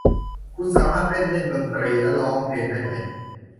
คุณสามารถเต้นเล่นดนตรีและร้องเพลงได้ไหม ?